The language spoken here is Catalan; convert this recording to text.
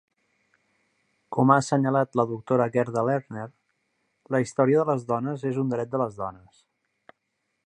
Com ha assenyalat la doctora Gerda Lerner, "La història de les dones és un dret de les dones".